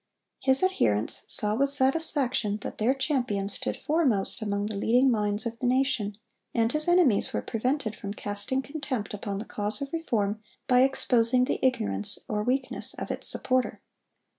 His adherents saw with satisfaction that their champion stood foremost among the leading minds of the nation; and his enemies were prevented from casting contempt upon the cause of reform by exposing the ignorance or weakness of its supporter.